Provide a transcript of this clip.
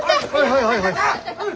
はいはいはい。